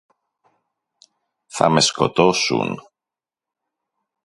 Θα με σκοτώσουν!